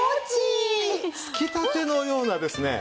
つきたてのようなですね。